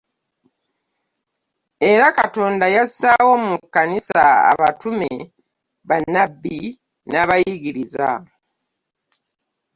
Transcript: Era Katonda yassaawo mu kkanisa abatume, bannabbi n'abayigiriza.